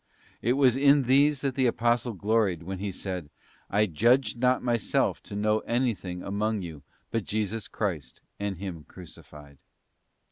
It was in these that the Apostle gloried when he said, 'I judged not myself to know anything among you but Jesus Christ and Him crucified.